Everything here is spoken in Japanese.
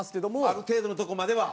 ある程度のとこまでは？